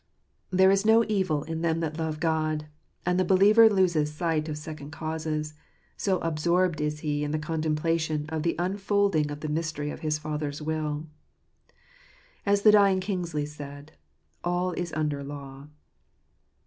There is no evil to them that love God ; and the believer loses sight of second causes, so absorbed is he in the contempla tion of the unfolding of the mystery of his Father's will. As the dying Kingsley said, " All is under law."